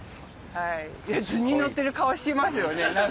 図に乗ってる顔してますよね